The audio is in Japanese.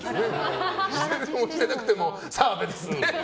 しててもしてなくても澤部ですね。